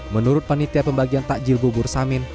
menurut panitia pembagian takjil bubur samin